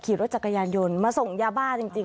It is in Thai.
ขี่รถจักรยานยนต์มาส่งยาบ้าจริง